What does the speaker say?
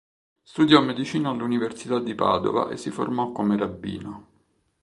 Studiò medicina all'Università di Padova e si formò come rabbino.